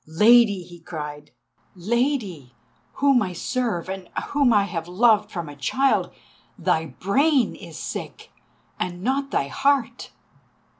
"Lady!" he cried, "Lady! whom I serve and whom I have loved from a child, thy brain is sick, and not thy heart.